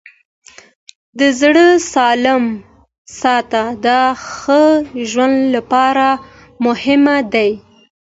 د زړه سالم ساتل د ښه ژوند لپاره مهم دي.